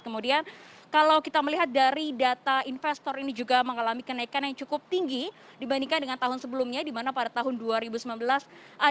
kemudian kalau kita melihat dari data investor ini juga berdampak terhadap emitan yang akhirnya juga menekan laju kinerja indeks harga saham gabungan karena adanya pelepasan aset aset investor dan peralihan ke instrumen instrumen yang lebih aman seperti emas